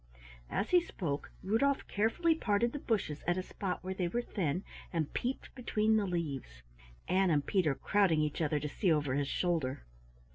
As he spoke Rudolf carefully parted the bushes at a spot where they were thin and peeped between the leaves, Ann and Peter crowding each other to see over his shoulder.